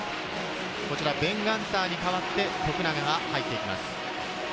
ベン・ガンターに代わって徳永が入っていきます。